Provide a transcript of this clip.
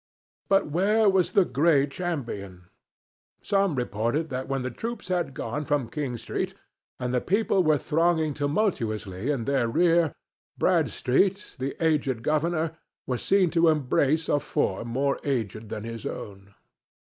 But where was the Gray Champion? Some reported that when the troops had gone from King street and the people were thronging tumultuously in their rear, Bradstreet, the aged governor, was seen to embrace a form more aged than his own.